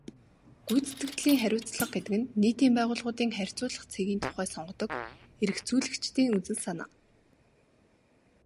Гүйцэтгэлийн хариуцлага гэдэг нь нийтийн байгууллагуудын харьцуулах цэгийн тухай сонгодог эргэцүүлэгчдийн үзэл санаа.